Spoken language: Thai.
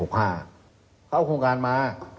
เข้าโครงการมา